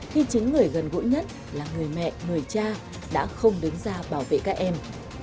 khi chính người gần gũi nhất là người mẹ người cha đã không đứng ra bảo vệ các em